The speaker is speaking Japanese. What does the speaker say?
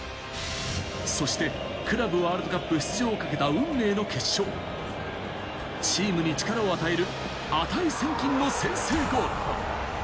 そしてクラブワールドカップ出場を懸けた運命の決勝、チームに力を与える値千金の先制ゴール。